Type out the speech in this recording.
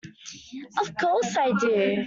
Of course I do!